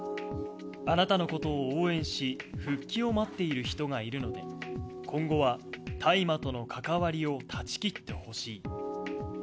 あなたのことを応援し、復帰を待っている人がいるので、今後は大麻との関わりを断ち切ってほしい。